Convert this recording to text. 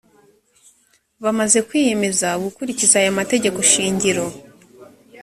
bamaze kwiyemeza gukurikiza aya mategeko shingiro